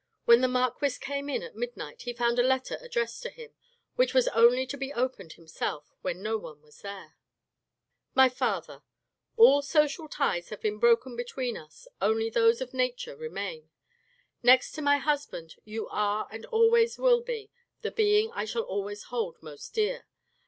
When the marquis came in at midnight he found a letter addressed to him, which was only to be opened himself when no one was there :—" My father, "All social ties have been broken between us, only those of nature remain. Next to my husband, you are and always will be the being I shall always hold most dear.